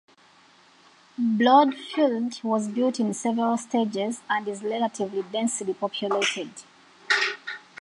Broadfield was built in several stages and is relatively densely populated.